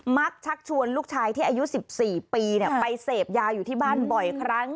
มักชักชวนลูกชายที่อายุสิบสี่ปีเนี่ยไปเสพยาอยู่ที่บ้านบ่อยครั้ง